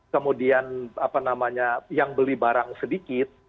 kemudian apa namanya yang beli barang sedikit